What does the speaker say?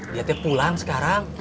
niatnya pulang sekarang